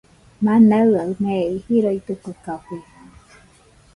Manaɨa mei jiroitɨkue café